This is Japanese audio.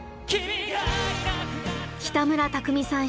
北村匠海さん